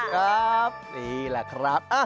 ครับนี่แหละครับ